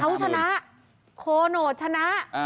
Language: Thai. เขาชนะโคโนตชนะ